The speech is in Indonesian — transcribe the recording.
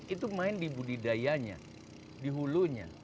itu main di budidayanya di hulunya